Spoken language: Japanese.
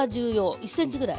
１ｃｍぐらい。